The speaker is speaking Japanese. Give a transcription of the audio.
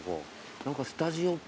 何か「スタジオ」って。